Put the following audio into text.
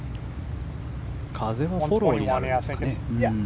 風はフォローになるんですかね。